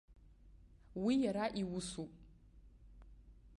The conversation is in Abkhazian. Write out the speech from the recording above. Уи иара иусуп.